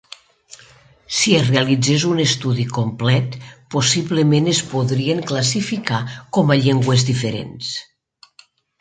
Si es realitzés un estudi complet, possiblement es podrien classificar com a llengües diferents.